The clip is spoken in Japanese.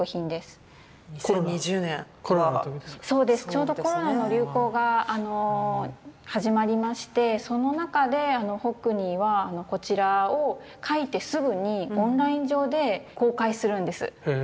ちょうどコロナの流行が始まりましてその中でホックニーはこちらを描いてすぐにオンライン上で公開するんです。